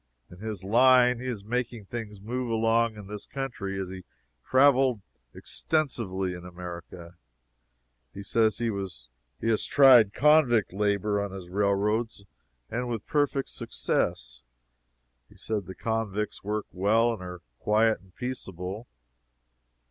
In his line he is making things move along in this country He has traveled extensively in America. He says he has tried convict labor on his railroads, and with perfect success. He says the convicts work well, and are quiet and peaceable.